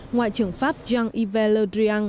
ngoại trưởng pháp jean yves le drian